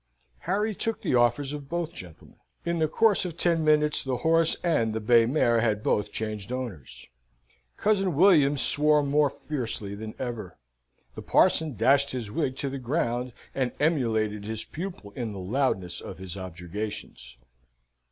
Harry took the offers of both gentlemen. In the course of ten minutes the horse and the bay mare had both changed owners. Cousin William swore more fiercely than ever. The parson dashed his wig to the ground, and emulated his pupil in the loudness of his objurgations.